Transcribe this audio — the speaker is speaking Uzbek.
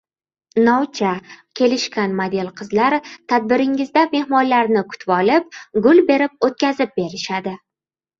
Novcha, kelishgan model qizlar tadbiringizda mehmonlarni kutvolib, gul berib oʻtkazib berishadi.